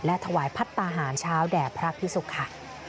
ถวายพัฒนาหารเช้าแด่พระพิสุกค่ะ